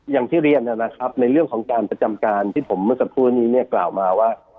อย่างที่เรียนนะครับในเรื่องของการประจำการที่ผมเมื่อสักครู่นี้เนี่ยกล่าวมาว่า